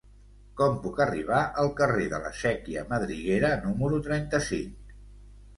Com puc arribar al carrer de la Sèquia Madriguera número trenta-cinc?